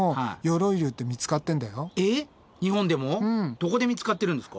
どこで見つかってるんですか？